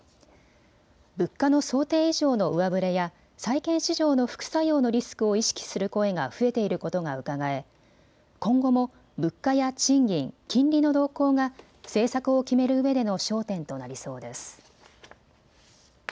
物価の想定以上の上振れや債券市場の副作用のリスクを意識する声が増えていることがうかがえ、今後も物価や賃金、金利の動向が政策を決めるうえでの焦点となりそうです。